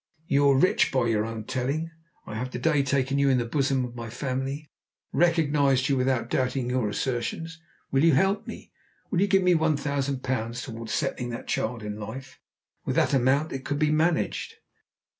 You're rich by your own telling. I have to day taken you into the bosom of my family, recognized you without doubting your assertions. Will you help me? Will you give me one thousand pounds towards settling that child in life? With that amount it could be managed."